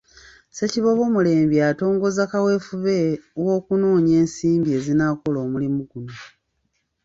Ssekiboobo Mulembya atongoza kaweefube w'okunoonya ensimbi ezinaakola omulimu guno.